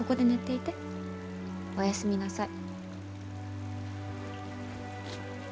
おやすみなさい。